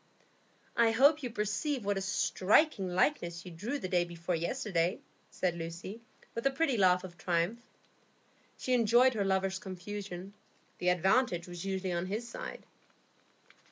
"I hope you perceive what a striking likeness you drew the day before yesterday," said Lucy, with a pretty laugh of triumph. She enjoyed her lover's confusion; the advantage was usually on his side.